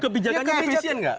kebijakannya efisien nggak